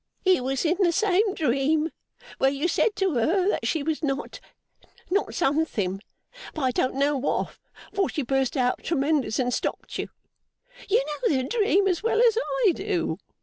It was in the same dream where you said to her that she was not not something, but I don't know what, for she burst out tremendous and stopped you. You know the dream as well as I do.